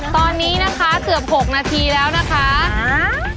ตอนนี้นะคะเกือบหกนาทีแล้วนะคะ